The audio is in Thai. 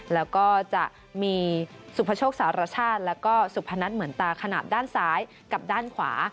แล้วก็จะมีสุพโชคสารชาติแล้วก็สุพนัทเหมือนตาขนาดด้านซ้ายกับด้านขวา